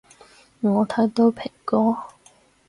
我睇到蘋果